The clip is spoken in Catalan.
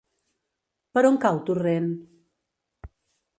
Per on cau Torrent?